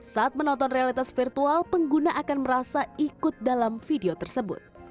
saat menonton realitas virtual pengguna akan merasa ikut dalam video tersebut